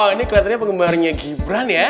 ini keliatannya penggemarnya gibran ya